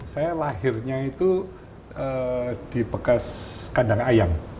saya lahirnya itu di bekas kandang ayam